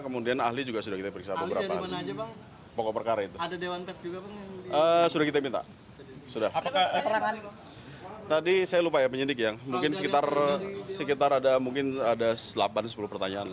mungkin sekitar ada delapan sepuluh pertanyaan